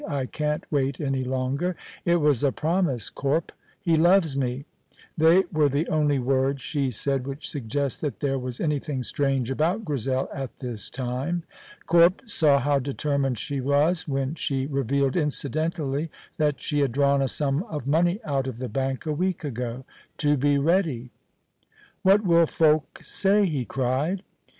"I can't wait any longer. It was a promise, Corp. He loves me." They were the only words she said which suggest that there was anything strange about Grizel at this time. Corp saw how determined she was when she revealed, incidentally, that she had drawn a sum of money out of the bank a week ago, "to be ready." "What will folk say!" he cried.